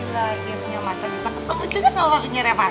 gini aja mata bisa ketemu juga sama papinya reva